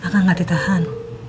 kang gak ditahan